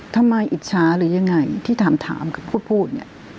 อิจฉาหรือยังไงที่ถามกับพูดเนี่ย